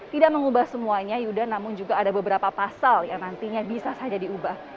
tidak mengubah semuanya yuda namun juga ada beberapa pasal yang nantinya bisa saja diubah